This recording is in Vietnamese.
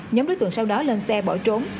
nhóm đối tượng sau đó lên xe bỏ trốn